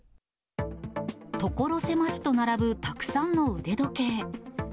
所狭しと並ぶ、たくさんの腕時計。